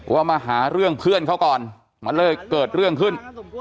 ว่ามาหาเรื่องเพื่อนเขาก่อนมันเลยเกิดเรื่องขึ้น